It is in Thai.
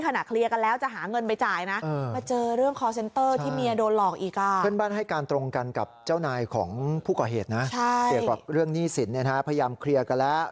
เกี่ยวกับเรื่องหนี้สินพยายามเคลียร์กันแล้ว